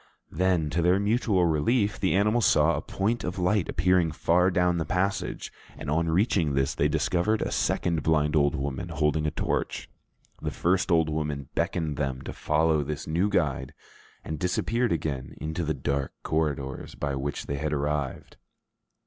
Then, to their mutual relief, the animals saw a point of light appearing far down the passage, and on reaching this, they discovered a second blind old woman holding a torch. The first old woman beckoned them to follow this new guide, and disappeared again into the dark corridors by which they had arrived.